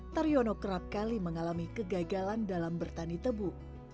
taryono kerap kali mengalami kegagalan dalam bertani tebu